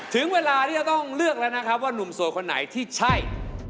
ถึงเวลาที่จะต้องเลือกแล้วนะครับว่านุ่มโสดคนไหนที่ใช่